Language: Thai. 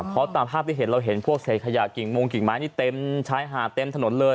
เพราะตามภาพที่เห็นเราเห็นพวกเศษขยะกิ่งมงกิ่งไม้นี่เต็มชายหาดเต็มถนนเลย